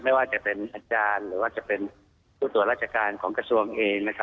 ไม่ว่าจะเป็นอาจารย์หรือว่าจะเป็นผู้ตรวจราชการของกระทรวงเอง